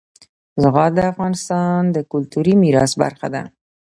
زغال د افغانستان د کلتوري میراث برخه ده.